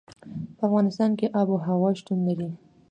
په افغانستان کې آب وهوا شتون لري.